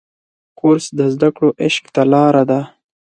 کورس د زده کړو عشق ته لاره ده.